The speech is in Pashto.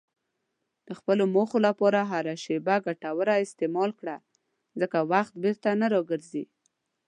د خپلو موخو لپاره هره شېبه ګټوره استعمال کړه، ځکه وخت بیرته نه راګرځي.